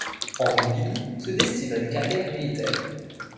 Henry Bidou se destine à une carrière militaire.